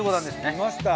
きました。